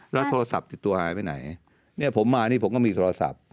แล้วโทรศัพท์ติดตัวหายไปไหนเนี่ยผมมานี่ผมก็มีโทรศัพท์